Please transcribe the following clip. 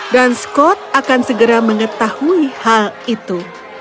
dan scott akan segera mengetahui hal itu